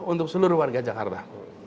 untuk seluruh warga jakarta